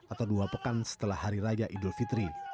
atau dua pekan setelah hari raya idul fitri